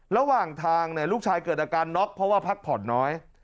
ระหว่างทางลูกชายเกิดอาการน็อกเพราะว่าพักผ่อนน้อย